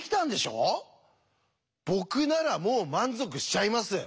僕ならもう満足しちゃいます。